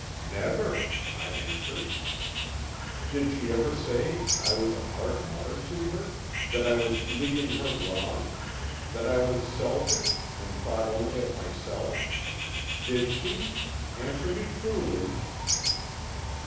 "'Never!' I answered. "'Did she ever say I was a hard mother to her that I was leading her wrong that I was selfish, and thought only of myself? Did she? Answer me truly.'